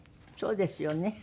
そうですよね。